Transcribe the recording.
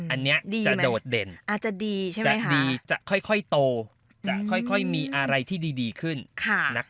อันนี้จะโดดเด่นอาจจะดีใช่ไหมจะดีจะค่อยโตจะค่อยมีอะไรที่ดีขึ้น